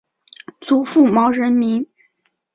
祖父毛仁民。